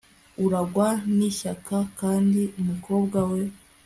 urangwa n ishyaka kandi umukobwa we